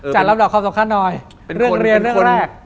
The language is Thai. รับดอกความสำคัญหน่อยเป็นเรื่องเรียนเรื่องแรก